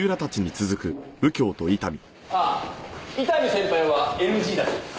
ああ伊丹先輩はＮＧだそうです。